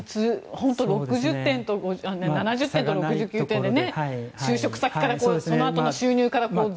本当に７０点と６９点で就職先からそのあとの収入から。